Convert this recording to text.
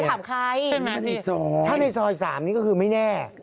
ถ้าในซอย๓นี่ก็คือไม่แน่